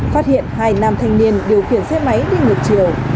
phát hiện hai nam thành viên điều khiển xe máy đi ngược chiều